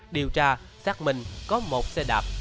điều tra xác minh có một xe đạp